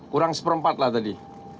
kurang seperempat lah tadi